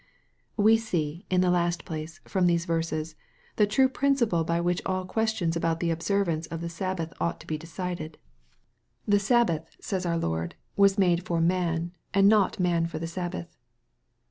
We see, in the last place, from these verses, the true principle by which all questions about the observance oftht Sabbath ought to be decided, " The Sabbath/' says our MARK, CHAP. II. 41 Lord, " was made for man, and not man for the Sab bath."